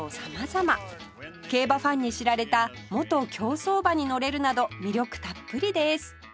競馬ファンに知られた元競走馬に乗れるなど魅力たっぷりです